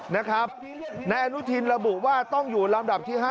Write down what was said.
นายอนุทินระบุว่าต้องอยู่ลำดับที่๕